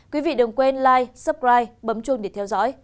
quý vị đừng quên like subscribe bấm chuông để theo dõi